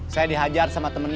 saya dihajar sama temennya